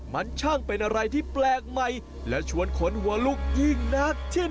มันช่างเป็นอะไรที่แปลกใหม่และชวนขนหัวลุกยิ่งนักเช่น